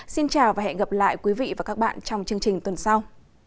xin chào và hẹn gặp lại quý vị và các bạn trong chương trình tuần sau